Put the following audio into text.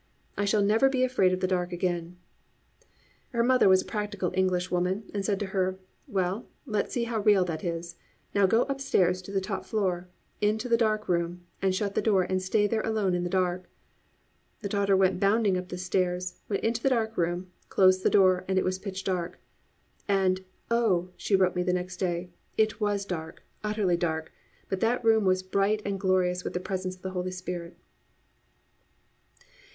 I shall never be afraid of the dark again." Her mother was a practical English woman and said to her, "Well, let us see how real that is. Now go upstairs to the top floor, into the dark room, and shut the door and stay in there alone in the dark." The daughter went bounding up the stairs, went into the dark room, closed the door and it was pitch dark, and "Oh," she wrote me the next day, "it was dark, utterly dark, but that room was bright and glorious with the presence of the Holy Spirit."